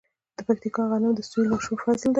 د پکتیکا غنم د سویل مشهور فصل دی.